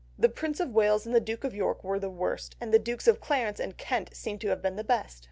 The Prince of Wales and the Duke of York were the worst, and the Dukes of Clarence and Kent seem to have been the best.